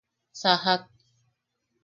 Sajak.